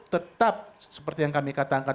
tetap seperti yang kami katakan